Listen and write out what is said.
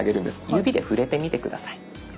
指で触れてみて下さい。